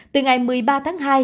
từ ngày một mươi ba tháng hai